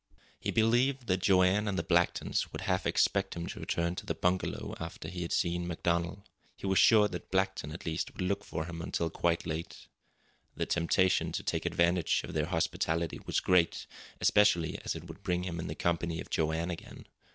He believed that Joanne and the Blacktons would half expect him to return to the bungalow after he had seen MacDonald. He was sure that Blackton, at least, would look for him until quite late. The temptation to take advantage of their hospitality was great, especially as it would bring him in the company of Joanne again.